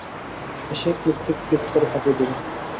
এসেই click click click করে ফাটিয়ে দেবে।